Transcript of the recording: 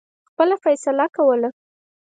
خپله فیصله کوله.